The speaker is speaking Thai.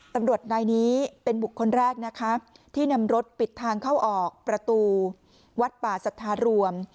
ตำรวจนายนี้เป็นบุคคลแรกนะคะที่นำรถปิดทางเข้าออกประตูวัดป่าสัทธารวม